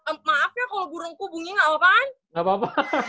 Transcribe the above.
maaf ya kalo burungku bunyi gak apa apa kan